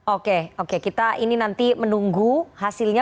oke oke kita ini nanti menunggu hasilnya